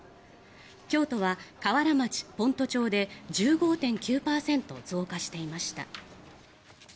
京都は河原町・先斗町で１５．９％増加していました。